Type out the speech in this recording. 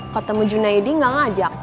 ketemu junaidi gak ngajak